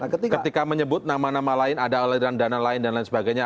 ketika menyebut nama nama lain ada aliran dana lain dan lain sebagainya